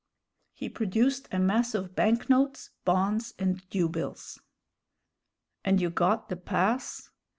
He produced a mass of bank notes, bons, and due bills. "And you got the pass?"